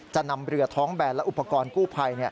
จะนำเรือท้องแบนและอุปกรณ์กู้ภัย